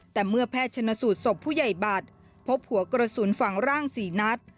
แต่เมื่อแพทย์ชนสูตรศพผู้ใหญ่บัตรพบหัวกระสุนฝั่งร่าง๔นัด